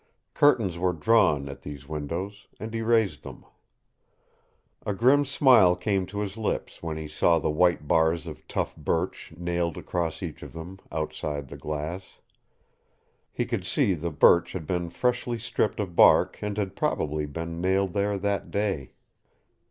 Curtains were drawn at these windows, and he raised them. A grim smile came to his lips when he saw the white bars of tough birch nailed across each of them, outside the glass. He could see the birch had been freshly stripped of bark and had probably been nailed there that day.